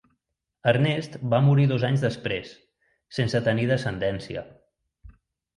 Ernest va morir dos anys després, sense tenir descendència.